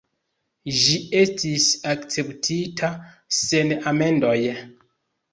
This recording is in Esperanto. Ĝi estis akceptita sen amendoj.